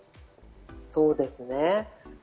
そうですね。